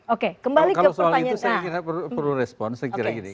oke kembali ke pertanyaan a